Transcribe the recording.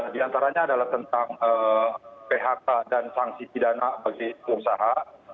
diantaranya adalah tentang phk dan sanksi pidana bagi usaha